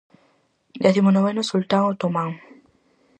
Décimo noveno sultán otomán.